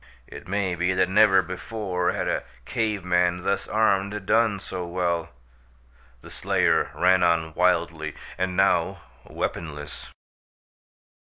It may be that never before had a cave man, thus armed, done so well. The slayer ran on wildly, and now weaponless.